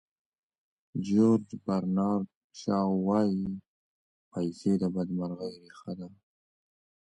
جیورج برنارد شاو وایي پیسې د بدمرغۍ ریښه ده.